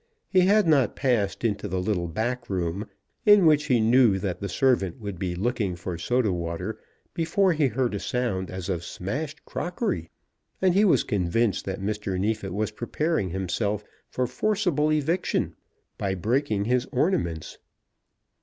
He had not passed into the little back room, in which he knew that the servant would be looking for soda water, before he heard a sound as of smashed crockery, and he was convinced that Mr. Neefit was preparing himself for forcible eviction by breaking his ornaments.